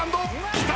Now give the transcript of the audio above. きた！